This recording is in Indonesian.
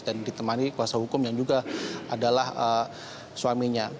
dan ditemani kuasa hukum yang juga adalah suaminya